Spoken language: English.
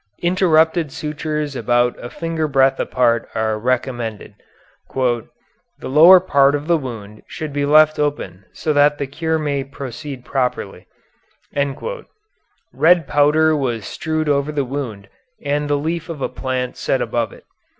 Interrupted sutures about a finger breadth apart are recommended. "The lower part of the wound should be left open so that the cure may proceed properly." Red powder was strewed over the wound and the leaf of a plant set above it.